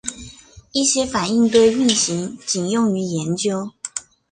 一些反应堆运行仅用于研究。